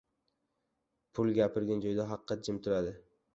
• Pul gapirgan joyda haqiqat jim turadi.